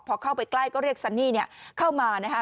พอเข้าไปใกล้ก็เรียกซันนี่เข้ามานะคะ